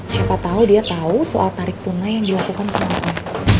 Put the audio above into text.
siapa tau dia tau soal tarik tunai yang dilakukan sama roy